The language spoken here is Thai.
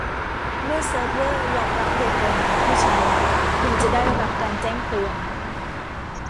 เมื่อเซิร์ฟเวอร์ยอมรับตัวตนของผู้ใช้คุณจะได้รับการแจ้งเตือน